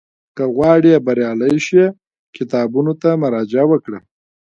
که غواړې بریالی شې، کتابونو ته مراجعه وکړه.